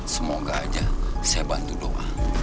semoga aja saya bantu doa